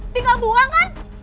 tinggal buang kan